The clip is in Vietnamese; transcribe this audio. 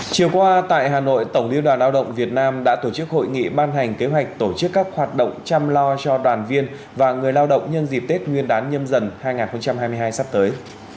chiều qua tại hà nội tổng liên đoàn lao động việt nam đã tổ chức hội nghị ban hành kế hoạch tổ chức các hoạt động chăm lo cho đoàn viên và người lao động nhân dịp tết nguyên đán nhâm dần hai nghìn hai mươi hai sắp tới